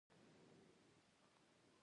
چی د هغی یوه جمله دا ده